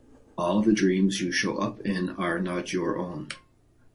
All the dreams you show up in are not your own.